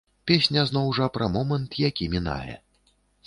Песня, зноў жа, пра момант, які мінае.